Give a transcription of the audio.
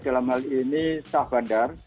dalam hal ini sah bandar